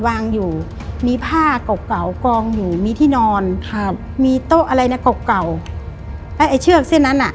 วางอยู่มีผ้าเก่าเก่ากองอยู่มีที่นอนครับมีโต๊ะอะไรนะเก่าเก่าแล้วไอ้เชือกเส้นนั้นอ่ะ